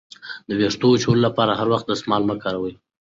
د ویښتو وچولو لپاره هر وخت دستمال مه کاروئ.